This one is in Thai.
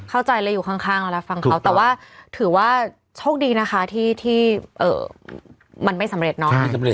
เข้าใจเลยอยู่ข้างแล้วรับฟังเขาแต่ว่าถือว่าโชคดีนะคะที่มันไม่สำเร็จเนาะ